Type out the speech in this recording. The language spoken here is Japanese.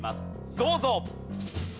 どうぞ。